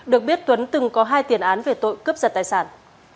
được biết tuấn từng có hai tiền án về tội cướp giật tài sản